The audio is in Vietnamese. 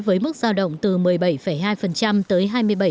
với mức giao động từ một mươi bảy hai tới hai mươi bảy